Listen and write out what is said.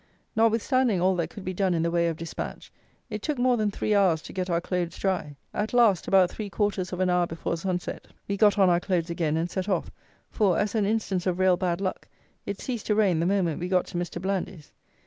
Notwithstanding all that could be done in the way of dispatch, it took more than three hours to get our clothes dry. At last, about three quarters of an hour before sunset, we got on our clothes again and set off: for, as an instance of real bad luck, it ceased to rain the moment we got to Mr. Blandy's.